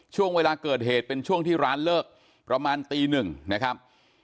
ช่วงเวลาเกิดเหตุเป็นช่วงที่ร้านเลิกประมาณตีหนึ่งนะครับ